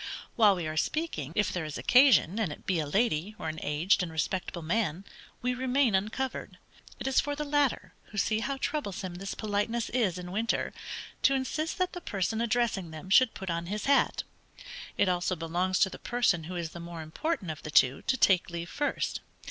While we are speaking, if there is occasion, and it be a lady, or an aged and respectable man, we remain uncovered: it is for the latter, who see how troublesome this politeness is in winter, to insist that the person addressing them should put on his hat. It also belongs to the person who is the more important of the two, to take leave first.